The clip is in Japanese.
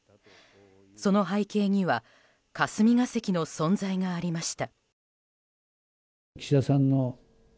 その背景には霞が関の存在がありました。